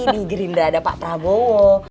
di gerindra ada pak prabowo